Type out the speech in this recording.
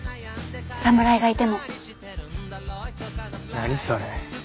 何それ。